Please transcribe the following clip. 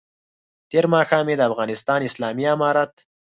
تېر ماښام یې د افغانستان اسلامي امارت